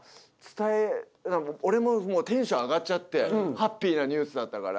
俺もテンション上がっちゃってハッピーなニュースだったから。